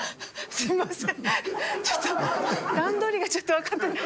すいません。